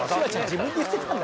自分で言ってたんだ。